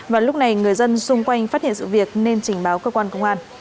và lúc này người dân xung quanh phát hiện sự việc nên trình báo cơ quan công an